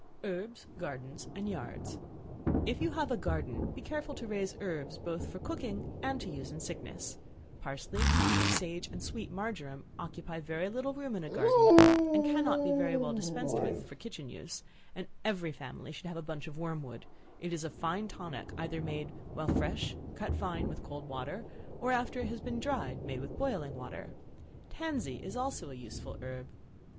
Herbs, Gardens and Yards. If you have a garden, be careful to raise herbs, both for cooking and to use in sickness. Parsley, thyme, sage and sweet marjoram occupy very little room in a garden, and cannot very well be dispensed with for kitchen use; and every family should have a bunch of wormwood; it is a fine tonic, either made while fresh, cut fine, with cold water, or after it has been dried, made with boiling water. Tansey is also a useful herb.